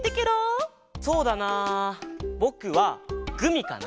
そうだなぼくはグミかな。